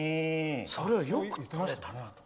それをよくとれたなと。